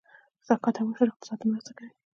زکات او عشر اقتصاد ته مرسته کوي